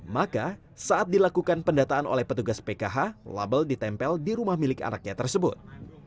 maka saat dilakukan pendataan oleh petugas pkh label ditempel di rumah milik anaknya tersebut